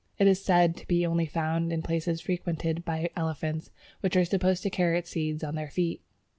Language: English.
It is said to be only found in places frequented by elephants, which are supposed to carry its seeds on their feet.